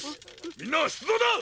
みんなしゅつどうだ！